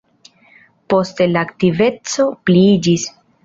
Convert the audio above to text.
Poste la aktiveco pliiĝis.